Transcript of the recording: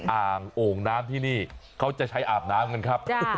อ่างโอ่งน้ำที่นี่เขาจะใช้อาบน้ำกันครับ